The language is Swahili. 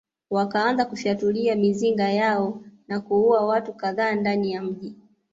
Wakaanza kufyatulia mizinga yao na kuua watu kadhaa ndani ya mji